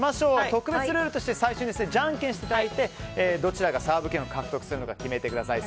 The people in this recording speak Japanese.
特別ルールとして最初にじゃんけんしてどちらがサーブ権を獲得するか決めてください。